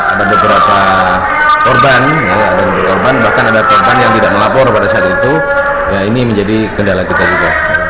ada beberapa korban dan korban bahkan ada korban yang tidak melapor pada saat itu ini menjadi kendala kita juga